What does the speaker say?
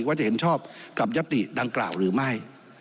ว่าจะเห็นชอบกับยัตติดังกล่าวหรือไม่